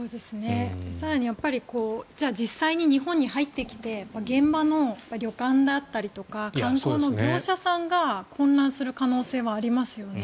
更に実際に日本に入ってきて現場の旅館だったりとか観光の業者さんが混乱する可能性はありますよね。